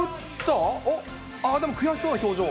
あー、でも悔しそうな表情。